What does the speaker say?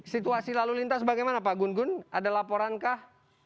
situasi lalu lintas bagaimana pak gun gun ada laporan kah